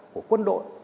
của quân đội